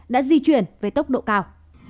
đã di chuyển với tốc độ cao